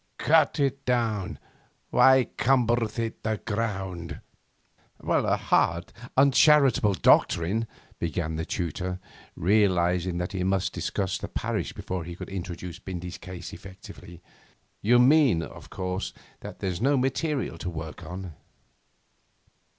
'Cut it down! Why cumbereth it the ground?' 'A hard, uncharitable doctrine,' began the tutor, realising that he must discuss the Parish before he could introduce Bindy's case effectively. 'You mean, of course, that there's no material to work on?